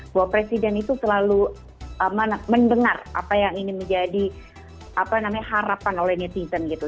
bahwa presiden itu selalu mendengar apa yang ingin menjadi harapan oleh netizen gitu